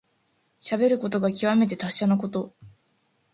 しゃべることがきわめて達者なこと。